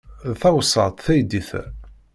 D tawessart teydit-a.